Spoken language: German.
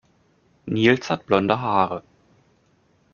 Nils hat blonde Haare.